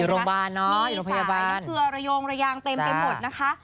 อยู่โรงพยาบาลมีสายเบือระโยงระยางเต็มไปหมดนะคะ